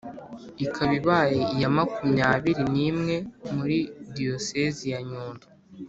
ikaba ibaye iya makumyabiri n’imwe muri diyosezi ya nyundo